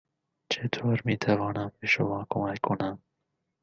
چطور می توانم به شما کمک کنم؟